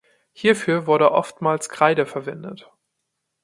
Hierfür wurde oftmals Kreide verwendet.